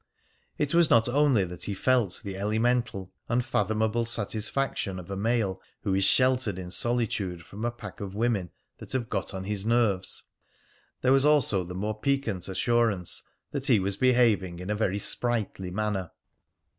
It was not only that he felt the elemental, unfathomable satisfaction of a male who is sheltered in solitude from a pack of women that have got on his nerves; there was also the more piquant assurance that he was behaving in a very sprightly manner.